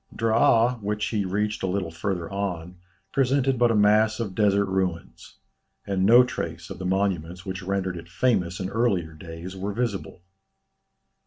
Draa which he reached a little farther on, presented but a mass of desert ruins; and no trace of the monuments which rendered it famous in earlier days, were visible.